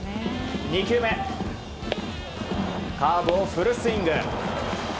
２球目、カーブをフルスイング。